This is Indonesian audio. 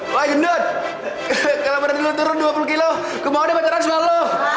wah gendut kalau badan lo turun dua puluh kilo gue mau udah pacaran sual lo